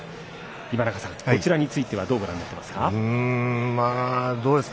今中さん、こちらについてはどうご覧になりますか？